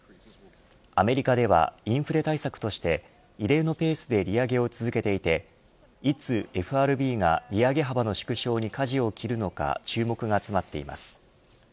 アメリカではインフレ対策として異例のペースで利上げを続けていていつＦＲＢが利上げ幅の縮小にかじを切るのか注目が集まっています。